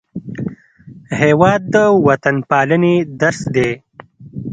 هېواد د وطنپالنې درس دی.